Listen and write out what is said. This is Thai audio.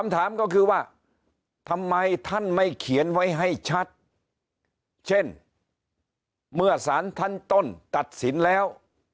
ทำไมท่านไม่เขียนไว้ให้ชัดเช่นเมื่อสารท่านต้นตัดสินแล้ว